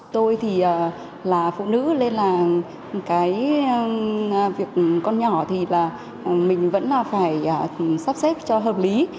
tôi thì là phụ nữ nên là cái việc con nhỏ thì là mình vẫn là phải sắp xếp cho hợp lý